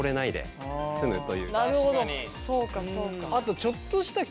そうかそうか。